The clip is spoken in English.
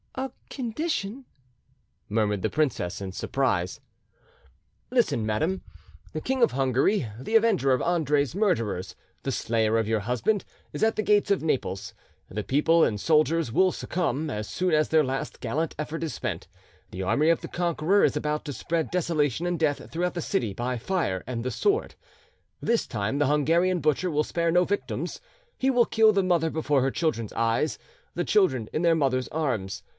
"A condition?" murmured the princess in surprise. "Listen, madam. The King of Hungary, the avenger of Andre's murderers, the slayer of your husband, is at the gates of Naples; the people and soldiers will succumb, as soon as their last gallant effort is spent—the army of the conqueror is about to spread desolation and death throughout the city by fire and the sword. This time the Hungarian butcher will spare no victims: he will kill the mother before her children's eyes, the children in their mother's arms.